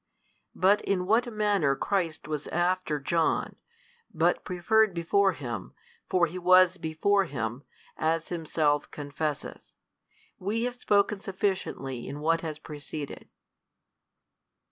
But in what manner Christ was after John, but preferred before him, for He was before him, as himself confesseth, we have spoken sufficiently in what has preceded.